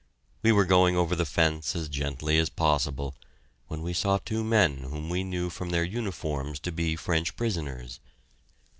We were going over the fence as gently as possible, when we saw two men whom we knew from their uniforms to be French prisoners.